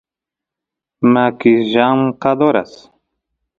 makis llamkadoras